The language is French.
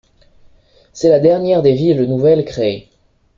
C'est la dernière des villes nouvelles créées.